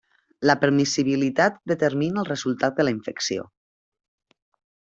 La permissibilitat determina el resultat de la infecció.